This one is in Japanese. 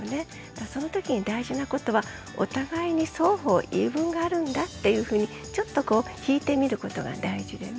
そのときに大事なことはお互いに双方言い分があるんだっていうふうにちょっと引いてみることが大事でね。